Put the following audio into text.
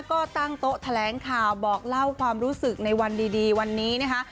ก็ตั้งโต๊ะแถลงข่าวบอกเล่าความรู้สึกในวันดีวันนี้นะคะ